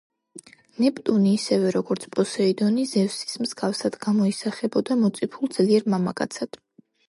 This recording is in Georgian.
ნეპტუნი, ისევე როგორც პოსეიდონი, ზევსის მსგავსად, გამოისახებოდა მოწიფულ, ძლიერ მამაკაცად.